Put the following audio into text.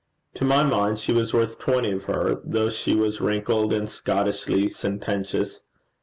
To my mind, she was worth twenty of her, though she was wrinkled and Scottishly sententious.